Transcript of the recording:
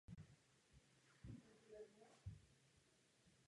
Neviděli jsme ale jeho stanovisko k modifikovaným produktům.